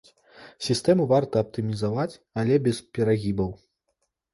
Сістэму варта аптымізаваць, але без перагібаў.